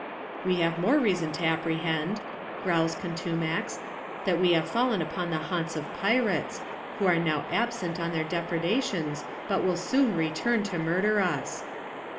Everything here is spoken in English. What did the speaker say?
' We have more reason to apprehend," growls Contumax, " that we have fallen upK>n the haunts of pirates ; who are now absent on their depredations, but will soon return to murder us."